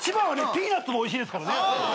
ピーナツもおいしいですからね。